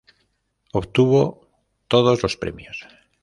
Obtuvo todos los premios.